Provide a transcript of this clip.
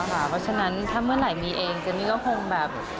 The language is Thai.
เพราะฉะนั้นถ้าเมื่อไหร่มีเองเจนนี่ก็คงแบบ